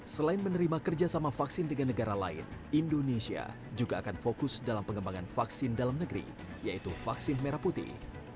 selain menerima kerjasama vaksin dengan negara lain indonesia juga akan fokus dalam pengembangan vaksin dalam negeri yaitu vaksin merah putih